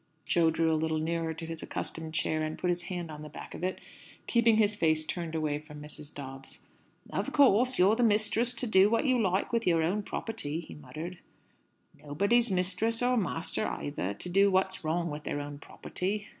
Jo drew a little nearer to his accustomed chair, and put his hand on the back of it, keeping his face turned away from Mrs. Dobbs. "Of course, you're the mistress to do what you like with your own property," he muttered. "Nobody's mistress, or master either, to do what's wrong with their own property.